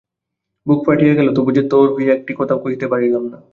বুক ফাটিয়া গেল, তবু যে তোর হইয়া একটি কথাও কহিতে পারিলাম না!